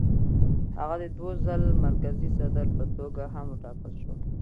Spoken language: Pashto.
هغه د دوو ځل مرکزي صدر په توګه هم وټاکل شو.